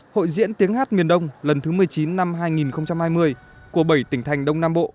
hội diễn tiếng hát miền đông lần thứ một mươi chín năm hai nghìn hai mươi của bảy tỉnh thành đông nam bộ